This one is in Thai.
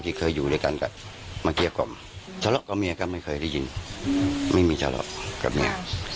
ไม่มีเจ้าหรอกกับเมีย